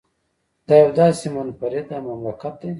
دا یو داسې منفرده مملکت دی